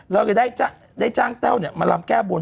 เราก็ได้จ้างแต้วเนี่ยมารำแก้บน